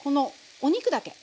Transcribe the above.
お肉だけ。